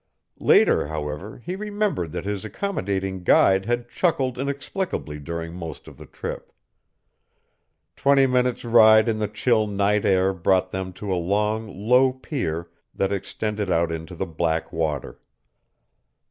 Later, however, he remembered that his accommodating guide had chuckled inexplicably during most of the trip. Twenty minutes' ride in the chill night air brought them to a long, low pier that extended out into the black water.